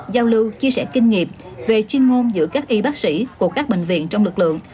giao lưu chia sẻ kinh nghiệm về chuyên ngôn giữa các y bác sĩ của các bệnh viện trong lực lượng